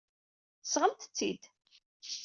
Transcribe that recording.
Sɣemt-tt-id!